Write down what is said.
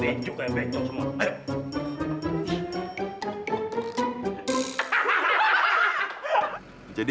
bencok kayak bencok semua aduh